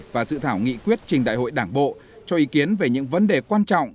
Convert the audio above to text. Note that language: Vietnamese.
và dự thảo nghị quyết trình đại hội đảng bộ cho ý kiến về những vấn đề quan trọng